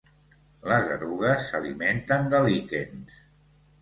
Les erugues s'alimenten de líquens.